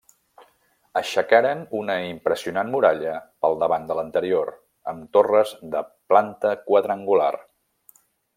Aixecaren una impressionant muralla pel davant de l'anterior, amb torres de planta quadrangular.